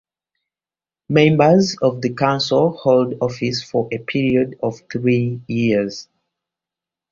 Members of the Council hold office for a period of three years.